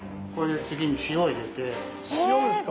塩ですか？